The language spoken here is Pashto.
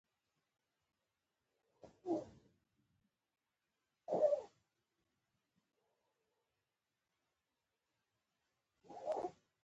د ماشوم په ودې سره زړې جامې له منځه ځي.